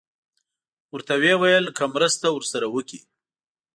ورته یې وویل که مرسته ورسره وکړي.